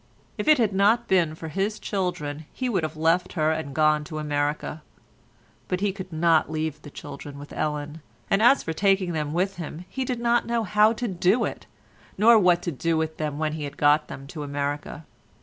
If it had not been for his children, he would have left her and gone to America, but he could not leave the children with Ellen, and as for taking them with him he did not know how to do it, nor what to do with them when he had got them to America.